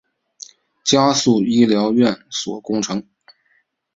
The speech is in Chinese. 加速医疗院所工程